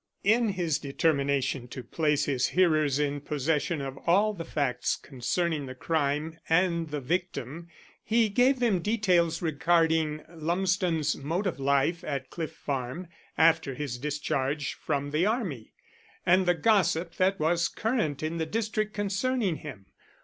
In his determination to place his hearers in possession of all the facts concerning the crime and the victim he gave them details regarding Lumsden's mode of life at Cliff Farm after his discharge from the army, and the gossip that was current in the district concerning him.